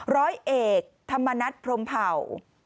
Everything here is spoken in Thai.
ร้อยเอกธรรมนัฐพรมเผ่า